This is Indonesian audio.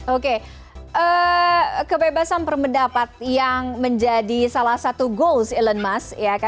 oke kebebasan berpendapat yang menjadi salah satu goals elon musk